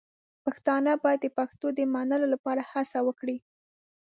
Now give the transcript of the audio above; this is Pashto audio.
پښتانه باید د پښتو د منلو لپاره هڅه وکړي.